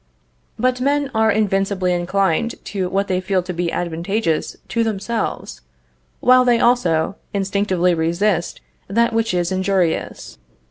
But men are invincibly inclined to what they feel to be advantageous to themselves, while they also, instinctively resist that which is injurious.